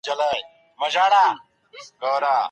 ايا د خاوند او ميرمني تر منځ روغه جوړه ممکنه ده؟